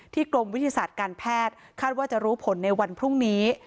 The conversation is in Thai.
กรมวิทยาศาสตร์การแพทย์คาดว่าจะรู้ผลในวันพรุ่งนี้